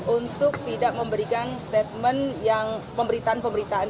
untuk tidak memberikan statement yang pemberitaan pemberitaan